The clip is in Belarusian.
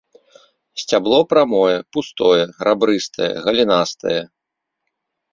Сцябло прамое, пустое, рабрыстае, галінастае.